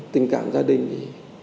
tình cảm gia đình thì